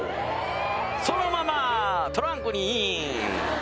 そのままトランクにイン！